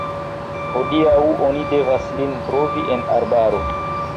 Hodiaŭ oni devas lin trovi en arbaro.